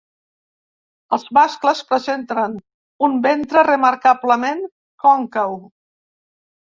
Els mascles presenten un ventre remarcablement còncau.